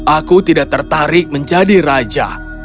aku tidak tertarik menjadi raja